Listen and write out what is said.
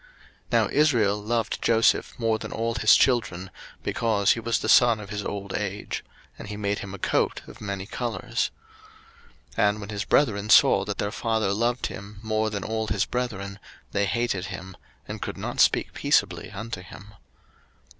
01:037:003 Now Israel loved Joseph more than all his children, because he was the son of his old age: and he made him a coat of many colours. 01:037:004 And when his brethren saw that their father loved him more than all his brethren, they hated him, and could not speak peaceably unto him.